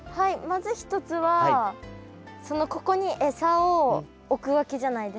まず１つはここに餌を置くわけじゃないですか。